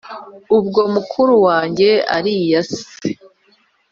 ubwo mukuru wanjye aliyanse